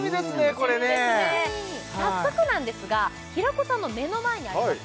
これね楽しみですね早速なんですが平子さんの目の前にあります